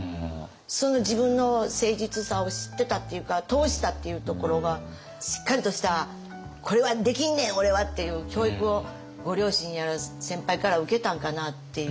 その自分の誠実さを知ってたっていうか通したっていうところがしっかりとした「これはできんねん俺は！」っていう教育をご両親やら先輩から受けたんかなっていう。